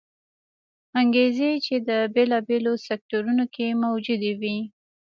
انګېزې چې د بېلابېلو سکتورونو کې موجودې وې